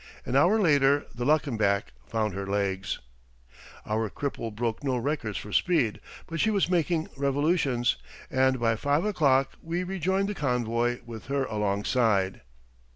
An hour later the Luckenbach found her legs. Our cripple broke no records for speed, but she was making revolutions, and by five o'clock we rejoined the convoy with her alongside.